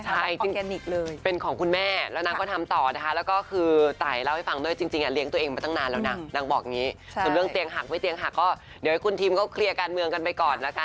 แต่ว่าแรกอาจจะแบบเหมือนคงต้องเคาะสนิมอะไรนิดหนึ่งอะไร